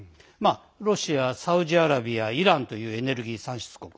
ロシア、サウジアラビアイランというエネルギー産出国。